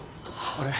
あれ？